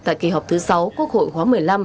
tại kỳ họp thứ sáu quốc hội khóa một mươi năm